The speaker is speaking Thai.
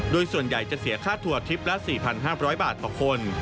โดยส่วนใหญ่จะเสียค่าทัวร์ทริปละ๔๕๐๐บาทต่อคน